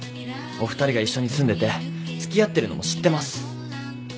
お二人が一緒に住んでて付き合ってるのも知ってます。